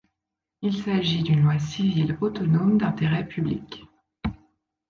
Il s'agit d'une loi civile autonome d'intérêt public.